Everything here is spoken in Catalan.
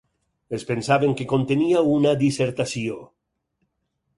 Es pensaven que contenia una dissertació.